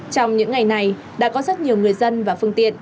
trong những ngày này đã có rất nhiều người dân và phương tiện